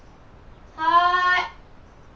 はい。